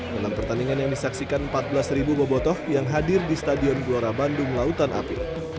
dalam pertandingan yang disaksikan empat belas bobotoh yang hadir di stadion gelora bandung lautan api